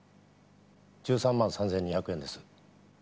１３万３２００円です。